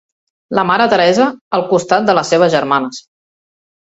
La mare Teresa, al costat de les seves germanes.